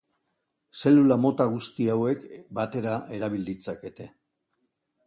Zelula mota guzti hauek batera erabili ditzakete.